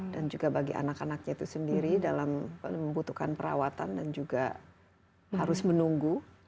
dan juga bagi anak anaknya itu sendiri dalam membutuhkan perawatan dan juga harus menunggu